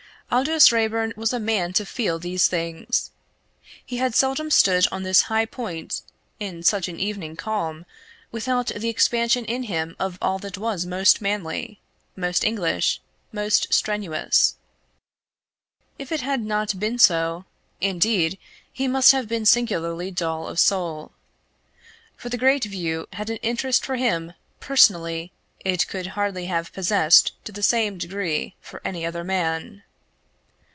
Aldous Raeburn was a man to feel these things. He had seldom stood on this high point, in such an evening calm, without the expansion in him of all that was most manly, most English, most strenuous. If it had not been so, indeed, he must have been singularly dull of soul. For the great view had an interest for him personally it could hardly have possessed to the same degree for any other man.